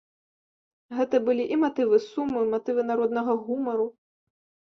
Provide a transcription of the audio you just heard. Гэта былі і матывы суму, і матывы народнага гумару.